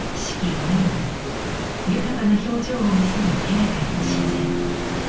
折々豊かな表情を見せる境内の自然。